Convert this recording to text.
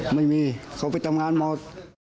ไม่มีเขาไปทำงานหมด